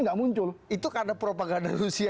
nggak muncul itu karena propaganda rusia